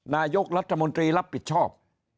นายกรัฐมนตรีรับผิดชอบ